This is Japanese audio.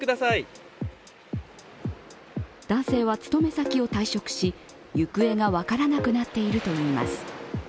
男性は勤め先を退職し、行方が分からなくなっているといいます。